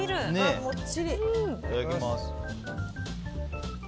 いただきます。